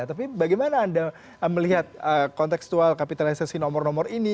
tapi bagaimana anda melihat konteksual kapitalisasi nomor nomor ini